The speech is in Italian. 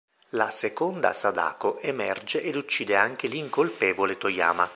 La "seconda" Sadako emerge ed uccide anche l'incolpevole Toyama.